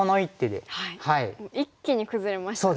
一気に崩れましたね。